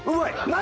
何！？